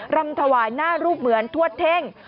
รำถวายหน้ารูปเหมือนทวดเท่ง